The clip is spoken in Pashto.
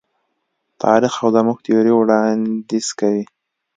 تاریخ او زموږ تیوري وړاندیز کوي.